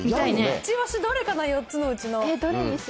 一押しどれかな、４つのうちの。